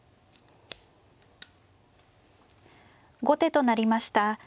後手となりました